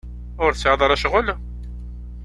Ur tesɛiḍ ara ccɣel?